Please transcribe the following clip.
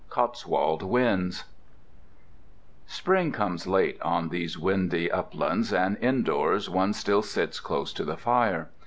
COTSWOLD WINDS Spring comes late on these windy uplands, and indoors one still sits close to the fire.